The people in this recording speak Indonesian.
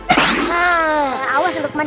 nah awas lukman